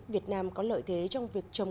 việt nam có lợi thế trong việc trồng